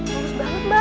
bagus banget mbak